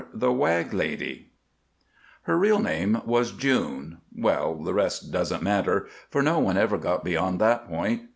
THE WAG LADY Her real name was June well, the rest doesn't matter; for no one ever got beyond that point.